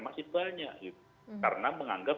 masih banyak karena menganggap